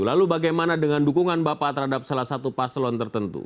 lalu bagaimana dengan dukungan bapak terhadap salah satu paslon tertentu